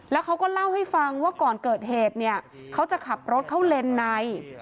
แล้วเขาก็เล่าให้ฟังว่าก่อนเกิดเหตุเนี่ยเขาจะขับรถเข้าเลนใน